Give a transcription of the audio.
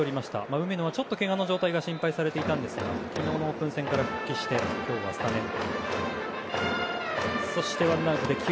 梅野はけがの状態が心配されていたんですが昨日のオープン戦から復帰して今日はスタメン。